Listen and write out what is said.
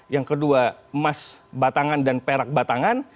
yang kedua emas batangan dan perak batangan